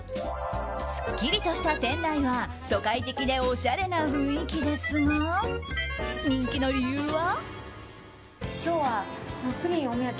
すっきりとした店内は都会的でおしゃれな雰囲気ですが人気の理由は？